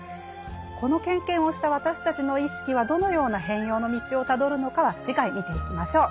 この経験をした私たちの意識はどのような変容の道をたどるのかは次回見ていきましょう。